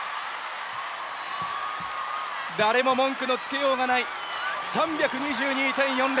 誰も文句のつけようがない３２２．４０！